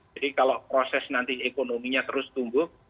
jadi kalau proses nanti ekonominya terus tumbuh